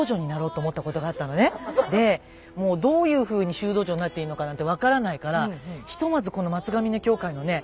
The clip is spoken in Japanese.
でもうどういうふうに修道女になっていいのかなんて分からないからひとまずこの。